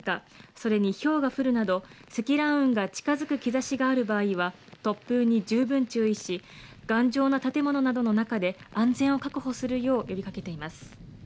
それにひょうが降るなど積乱雲が近づく兆しがある場合は突風に十分注意し、頑丈な建物などの中で安全を確保するよう呼びかけています。